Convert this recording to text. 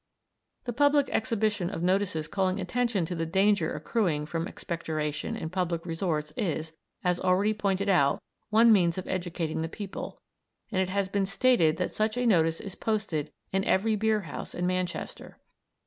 The public exhibition of notices calling attention to the danger accruing from expectoration in public resorts is, as already pointed out, one means of educating the people, and it has been stated that such a notice is posted in every beerhouse in Manchester.